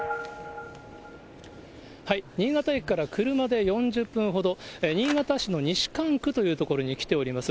新潟駅から車で４０分ほど、新潟市の西蒲区という所に来ております。